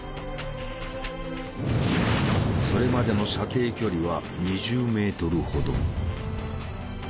それまでの射程距離は２０メートルほど。